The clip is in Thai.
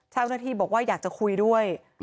เจ้าหน้าที่บอกว่าอยากจะคุยด้วย